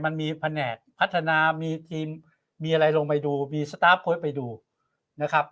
มันมีแผนกพัฒนามีทีมมีอะไรลงไปดูมีสตาร์ฟโค้ดไปดูนะครับ